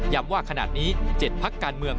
ว่าขนาดนี้๗พักการเมือง